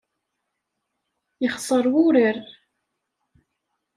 Yexṣeṛ wurar!